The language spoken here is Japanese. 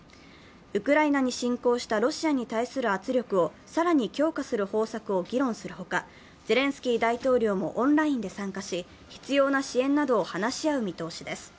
ウクライナに侵攻したロシアに対する圧力を更に強化する方策を議論するほか、ゼレンスキー大統領もオンラインで参加し、必要な支援などを話し合う見通しです。